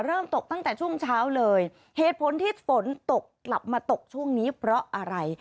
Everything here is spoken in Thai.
ตกตั้งแต่ช่วงเช้าเลยเหตุผลที่ฝนตกกลับมาตกช่วงนี้เพราะอะไร